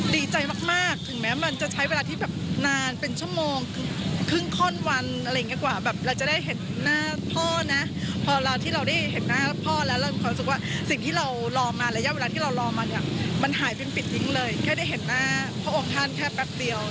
ดีใจมากมากถึงแม้มันจะใช้เวลาที่แบบนานเป็นชั่วโมงครึ่งข้อนวันอะไรอย่างนี้กว่าแบบเราจะได้เห็นหน้าพ่อนะพอเราที่เราได้เห็นหน้าพ่อแล้วเรามีความรู้สึกว่าสิ่งที่เรารอมาระยะเวลาที่เรารอมาเนี่ยมันหายเป็นปิดทิ้งเลยแค่ได้เห็นหน้าพระองค์ท่านแค่แป๊บเดียว